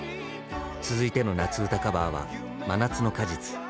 続いての夏うたカバーは「真夏の果実」。